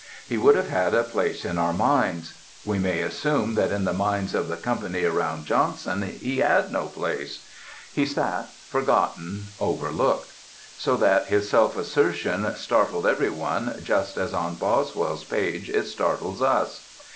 He would have had a place in our minds. We may assume that in the minds of the company around Johnson he had no place. He sat forgotten, overlooked; so that his self assertion startled every one just as on Boswell's page it startles us.